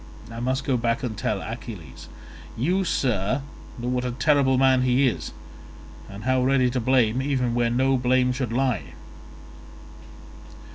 I must go back and tell Achilles. You, sir, know what a terrible man he is, and how ready to blame even where no blame should lie."